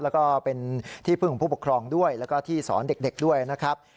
แล้วก็เป็นที่พึ่งของผู้ปกครองด้วยแล้วก็ที่สอนเด็กด้วยนะครับ